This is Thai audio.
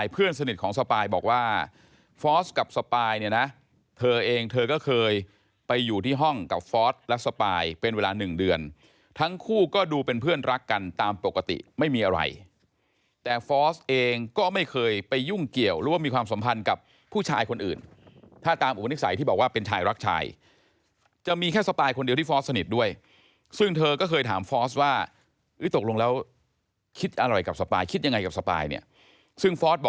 เพื่อนสนิทของสปายบอกว่าฟอร์สกับสปายเนี่ยนะเธอเองเธอก็เคยไปอยู่ที่ห้องกับฟอร์สและสปายเป็นเวลาหนึ่งเดือนทั้งคู่ก็ดูเป็นเพื่อนรักกันตามปกติไม่มีอะไรแต่ฟอร์สเองก็ไม่เคยไปยุ่งเกี่ยวหรือว่ามีความสัมพันธ์กับผู้ชายคนอื่นถ้าตามอุปนิสัยที่บอกว่าเป็นชายรักชายจะมีแค่สปายคนเดียวที่ฟอร์